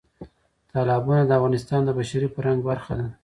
تالابونه د افغانستان د بشري فرهنګ برخه ده.